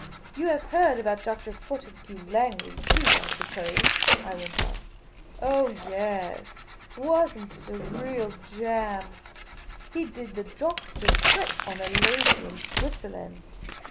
" You have heard about Dr. Fortescue Langley too, I suppose ?" I went on. " Oh, yaas. Was n't it real jam ? He did the doctor trick on a lady in Switzerland.